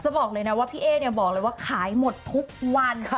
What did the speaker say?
จะบอกเลยนะว่าพี่เอ๊ะบอกว่าขายหมดทุกวัน